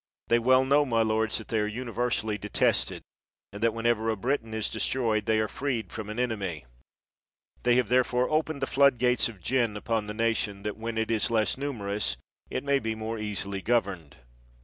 They well know, my lords, that they are universally detested, and that, when ever a Briton is destroyed, they are freed from an enemy ; they have therefore opened the flood gates of gin upon the nation that, when it is less numerous, it may be more easily governed.